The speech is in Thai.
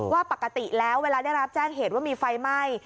ว่าปกติแล้วเวลาได้รับแจ้งเหตุว่ามีไฟไหม้